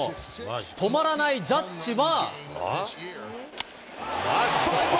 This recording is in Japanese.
止まらないジャッジは。